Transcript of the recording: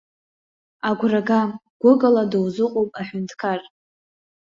Агәра га, гәыкала дузыҟоуп аҳәынҭқар.